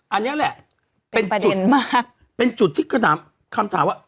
อันนี้แหละเป็นจุดที่กระหนังคำถามว่า